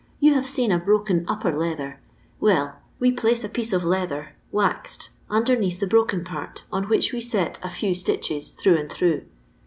Tou have seen a broken upper leather; well, we place a pieee of leatker, waxed, underneath the broken part, on which wo set a few stitches through and through.